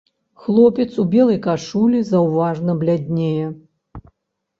Хлопец у белай кашулі заўважна бляднее.